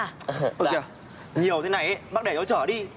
ừ nhiều thế này bác để cháu trở đi